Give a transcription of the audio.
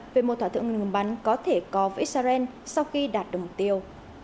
về một thỏa thuận ngừng bắn có thể có với israel sau khi đạt được mục tiêu